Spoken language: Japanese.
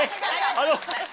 あの。